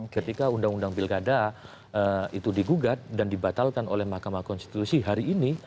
ketika undang undang pilkada itu digugat dan dibatalkan oleh mahkamah konstitusi hari ini